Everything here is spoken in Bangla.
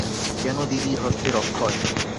কেন দিদির হস্তের– অক্ষয়।